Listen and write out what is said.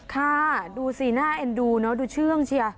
ค่ะดูสีหน้าเอ็นดูเนอะดูเชื่องเชีย